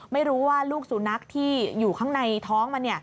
ไม่รู้ว่าลูกสุนัขที่อยู่ข้างในท้องมัน